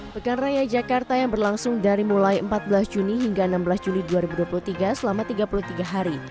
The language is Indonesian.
pekan raya jakarta yang berlangsung dari mulai empat belas juni hingga enam belas juli dua ribu dua puluh tiga selama tiga puluh tiga hari